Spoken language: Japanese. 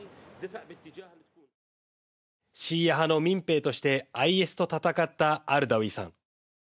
シーア派の民兵としてＩＳと戦ったアルダウィさん。